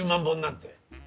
本なんて。